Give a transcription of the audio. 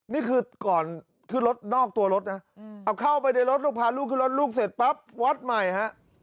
นี่คือก่อนขึ้นรถนอกตัวรถนะเอาเข้าไปในรถลูกพาลูกขึ้นรถลูกเสร็จปั๊บวัดใหม่ฮะ